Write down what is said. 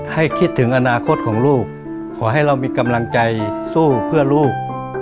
คิดถึงอนาคตของลูกขอให้เรามีกำลังใจสู้เพื่อลูก